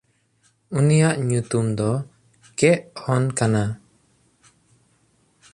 ᱩᱱᱤᱭᱟᱜ ᱧᱩᱛᱩᱢ ᱫᱚ ᱠᱮᱜᱚᱱ ᱠᱟᱱᱟ᱾